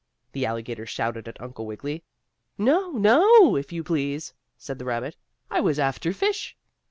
the alligator shouted at Uncle Wiggily. "No no, if you please," said the rabbit. "I was after fish."